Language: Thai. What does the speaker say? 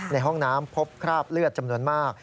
ในห้องน้ำพบคราบเลือดจำนวนมาก